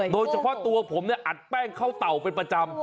โดยเฉพาะตัวผมเนี่ยอัดแป้งเข้าเต่าเป็นประจำ